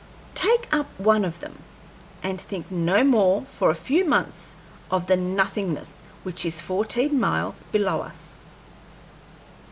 Take up one of them, and think no more for a few months of the nothingness which is fourteen miles below us."